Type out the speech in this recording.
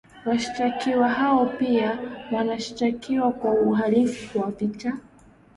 washtakiwa hao pia wanashtakiwa kwa uhalivu wa vita